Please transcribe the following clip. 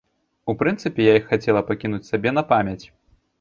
У прынцыпе, я іх хацела пакінуць сабе на памяць.